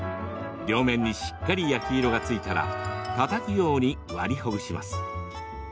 両面にしっかり焼き色がついたらたたくように割りほぐします。